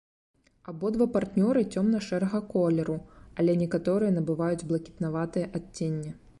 Абодва партнёры цёмна-шэрага колеру, але некаторыя набываюць блакітнаватае адценне.